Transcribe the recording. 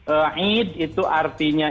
eid itu artinya